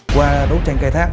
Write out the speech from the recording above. qua đấu tranh cây thác